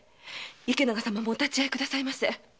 池永様もお立ち会いください。